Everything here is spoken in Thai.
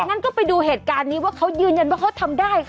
งั้นก็ไปดูเหตุการณ์นี้ว่าเขายืนยันว่าเขาทำได้ค่ะ